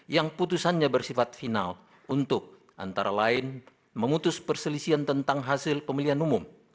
yang putusannya bersifat final untuk antara lain memutus perselisian tentang hasil pemilihan umum